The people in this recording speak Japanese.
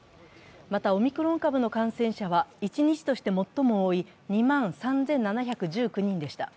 また、オミクロン株の感染者は一日として最も多い２万３７１９人でした。